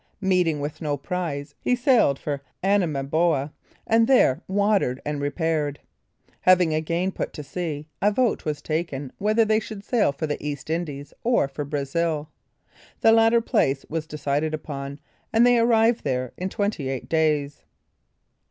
Meeting with no prize, he sailed for Anamaboa, and there watered and repaired. Having again put to sea, a vote was taken whether they should sail for the East Indies or for Brazil. The latter place was decided upon, and they arrived there in twenty eight days.